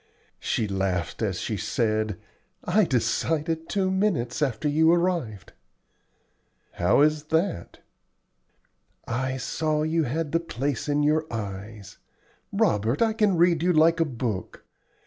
She laughed as she said, "I decided two minutes after you arrived." "How is that?" "I saw you had the place in your eyes. La, Robert! I can read you like a book.